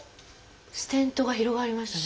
ステントが広がりましたね。